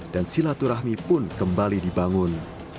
dan silaturahmi pun kembali dibangun